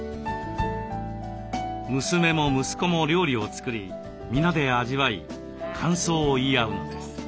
娘も息子も料理を作り皆で味わい感想を言い合うのです。